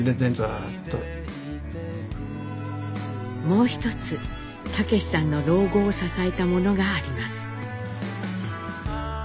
もう一つ武さんの老後を支えたものがあります。